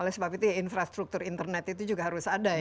oleh sebab itu infrastruktur internet itu juga harus ada ya